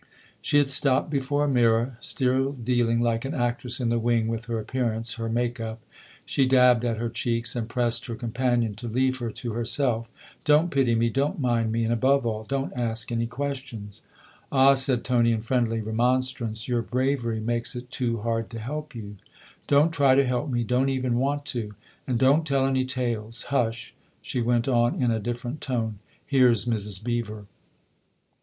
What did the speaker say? She had stopped before a mirror, still dealing, like an actress in the wing, with her appearance, her make up. She dabbed at her cheeks and pressed her companion to leave her to herself. 11 Don't pity me, don't mind me ; and, above all, don't ask any questions." " Ah," said Tony in friendly remonstrance, "your bravery makes it too hard to help you !"" Don't try to help me don't even want to. And don't tell any tales. Hush !" she went on in a different tone. " Here's Mrs. Beever